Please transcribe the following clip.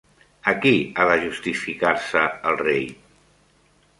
A qui ha de justificar-se el rei?